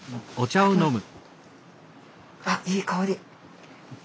あいい香り！